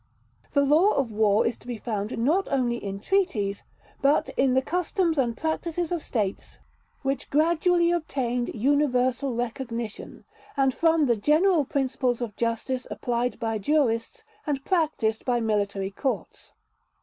The law of war is to be found not only in treaties, but in the customs and practices of states which gradually obtained universal recognition, and from the general principles of justice applied by jurists and practised by military courts.